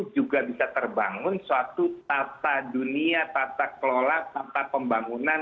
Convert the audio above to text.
juga bisa terbangun suatu tata dunia tata kelola tata pembangunan